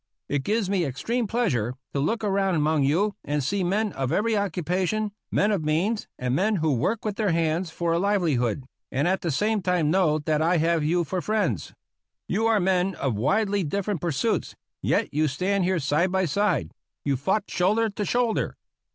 It gives me extreme pleasure to 3r8 APPENDIX G look around among you and see men of every occupation, men of means and men who work with their hands for a hveUhood, and at the same time know that I have you for friends. You are men of widely different pursuits, yet you stand here side by side; you fought shoulder to shoulder.